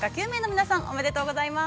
ご当選おめでとうございます！